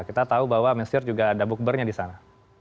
kita tahu bahwa mesir juga ada bukbernya di sana